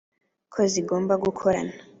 ko zigomba gukorana